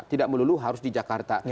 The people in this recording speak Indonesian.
tidak melulu harus di jakarta